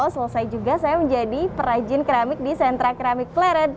selesai juga saya menjadi perajin keramik di sentra keramik pleret